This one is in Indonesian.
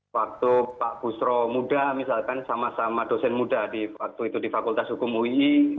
waktu pak busro muda misalkan sama sama dosen muda waktu itu di fakultas hukum ui